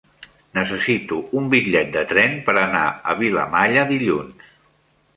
Necessito un bitllet de tren per anar a Vilamalla dilluns.